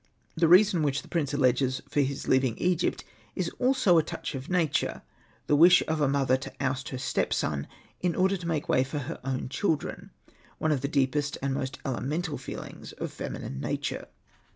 The reason which the prince alleges for his leaving Egypt is also a touch of nature, the wish of a mother to oust her stepson in order to make way for her own ^^ children, one of the deepest and most ele mental feelings of feminine nature.